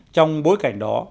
trong bối cảnh đó